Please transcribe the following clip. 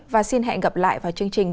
và xin hẹn gặp lại vào chương trình